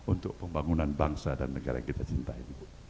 untuk pembangunan bangsa dan negara yang kita cintai